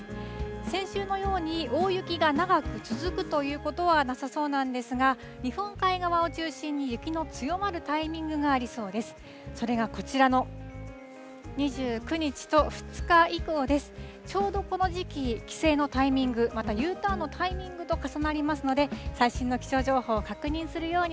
先週のように大雪が長く続くということはなさそうなんですが、日本海側を中心に、雪の強まるタイミングがありそうです。